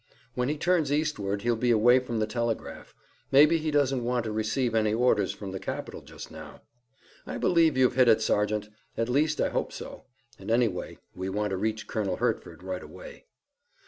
"When he turns eastward he'll be away from the telegraph. Maybe he doesn't want to receive any orders from the capital just now." "I believe you've hit it, Sergeant. At least I hope so, and anyway we want to reach Colonel Hertford right away."